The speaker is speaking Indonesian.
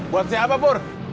buat siapa pur